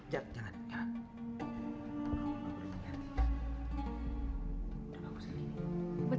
jangan jangan jangan